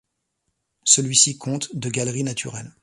Celle-ci compte de galeries naturelles.